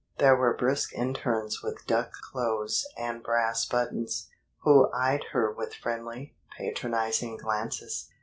There were brisk internes with duck clothes and brass buttons, who eyed her with friendly, patronizing glances.